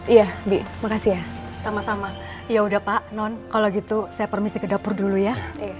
iya bi makasih ya sama sama ya udah pak non kalau gitu saya permisi ke dapur dulu ya